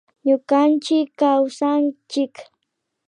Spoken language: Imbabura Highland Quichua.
Ñukanchik kawsanchik